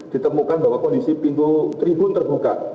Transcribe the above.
ditemukan bahwa kondisi pintu tribun terbuka